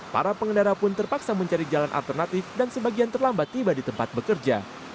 para pengendara pun terpaksa mencari jalan alternatif dan sebagian terlambat tiba di tempat bekerja